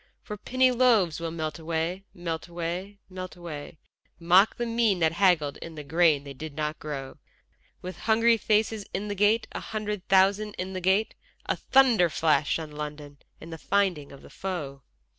For penny loaves will melt away, melt away, melt away, Mock the mean that haggled in the grain they did not grow; With hungry faces in the gate, a hundred thousand in the gate, A thunder flash on London and the finding of the foe.